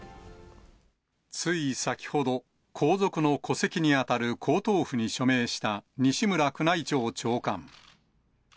つい先ほど、皇族の戸籍に当たる皇統譜に署名した西村宮内庁長官。